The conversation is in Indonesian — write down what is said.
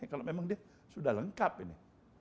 kalau memang dia sudah lengkap ini